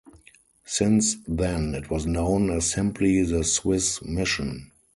Since then it was known as simply the Swiss mission.